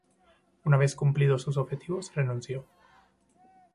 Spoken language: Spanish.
Una vez cumplidos sus objetivos, renunció.